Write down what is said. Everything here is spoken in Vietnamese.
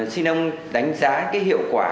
xin ông đánh giá cái hiệu quả